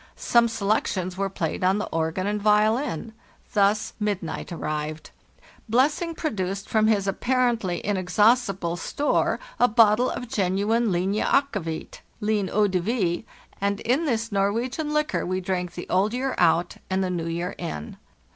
Some selections were played on the organ and violin. Thus midnight arrived. Blessing produced from his apparent ly inexhaustible store a bottle of genuine 'linje akkevit ' (line eau de vie), and in this Norwegian liquor we drank the old year out and the new year in.